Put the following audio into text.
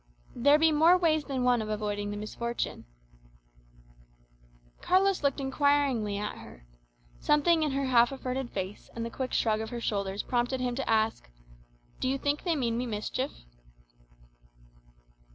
"There be more ways than one of avoiding the misfortune." Carlos looked inquiringly at her. Something in her half averted face and the quick shrug of her shoulders prompted him to ask, "Do you think they mean me mischief?"